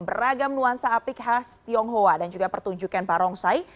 beragam nuansa aplikasi khas tionghoa dan juga pertunjukan parongsai